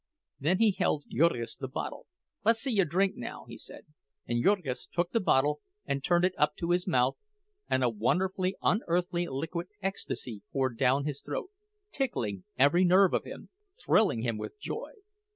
Then he held Jurgis the bottle. "Lessee you drink now," he said; and Jurgis took the bottle and turned it up to his mouth, and a wonderfully unearthly liquid ecstasy poured down his throat, tickling every nerve of him, thrilling him with joy.